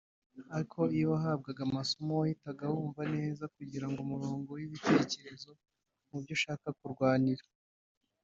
ariko iyo wahabwaga amasomo wahitaga wumva neza kugira umurongo w’ibitekerezo mu byo ushaka kurwanira